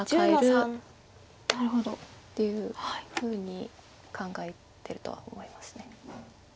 なるほど。っていうふうに考えてるとは思います。